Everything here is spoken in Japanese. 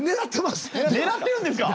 狙ってるんですか！？